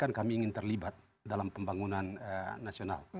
karena kami ingin terlibat dalam pembangunan nasional